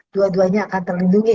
dua duanya akan terlindungi